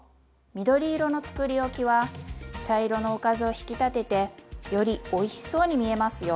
緑色のつくりおきは茶色のおかずを引き立ててよりおいしそうに見えますよ。